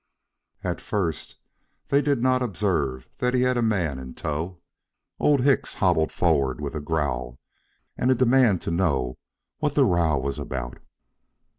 At first they did not observe that he had a man in tow. Old Hicks hobbled forward with a growl and a demand to know what the row was about.